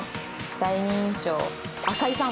第二印象赤井さん。